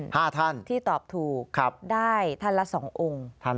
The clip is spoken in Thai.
ห้าท่านที่ตอบถูกได้ท่านละสององค์ห้าท่าน